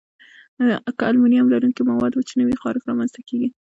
که المونیم لرونکي مواد وچ نه وي، خارښت رامنځته کېږي.